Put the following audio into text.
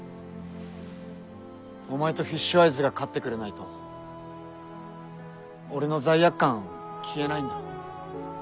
お前とフィッシュアイズが勝ってくれないと俺の罪悪感消えないんだ。